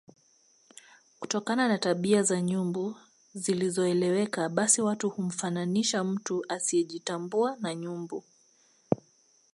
Kutokana na tabia za nyumbu zisizoeleweka basi watu humfananisha mtu asiejitambua na nyumbu